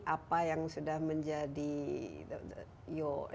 apa yang sudah menjadi your achievement ya